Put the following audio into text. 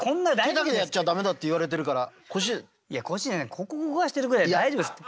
ここ動かしてるぐらい大丈夫ですって。